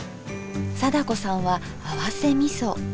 貞子さんは合わせみそ。